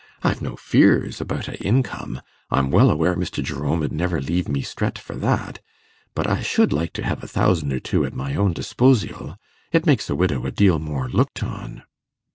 I've no fears about a income I'm well aware Mr. Jerome 'ud niver leave me stret for that; but I should like to hev a thousand or two at my own disposial; it makes a widow a deal more looked on.